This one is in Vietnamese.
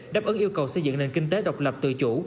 đáp ứng yêu cầu xây dựng nền kinh tế độc lập tự chủ